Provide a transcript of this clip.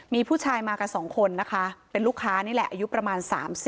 มีผู้ชายมากัน๒คนนะคะเป็นลูกค้านี่แหละอายุประมาณ๓๐